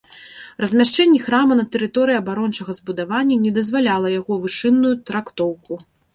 Размяшчэнне храма на тэрыторыі абарончага збудавання не дазваляла яго вышынную трактоўку.